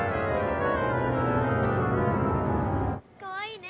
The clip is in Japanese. かわいいね。